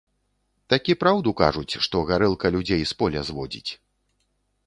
Такі праўду кажуць, што гарэлка людзей з поля зводзіць.